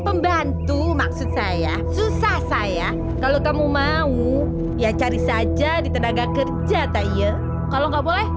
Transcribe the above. pembantu maksud saya susah saya kalau kamu mau ya cari saja di tenaga kerja toye kalau nggak boleh